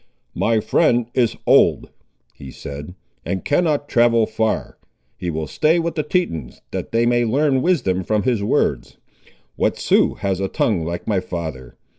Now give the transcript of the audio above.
"My friend is old," he said, "and cannot travel far. He will stay with the Tetons, that they may learn wisdom from his words. What Sioux has a tongue like my father?